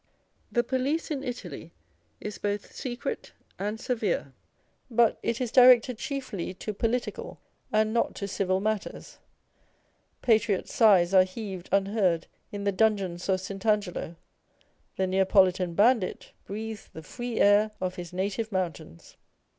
The police in Italy is both secret and severe, but it is directed chiefly to political and not to civil matters. Patriot sighs are heaved unheard in the dungeons of St. Angelo : the Neapolitan bandit breathes the free air of his native mountains